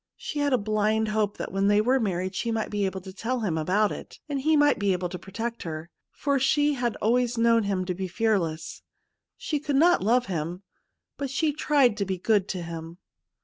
She had a blind hope that when they were mai'ried she might be able to tell him about it, and he might be able to protect hei', for she had always known him to be fearless. She could not love him, but she tried to be good to him.